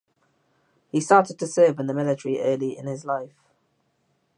He started to serve in the military early in his life.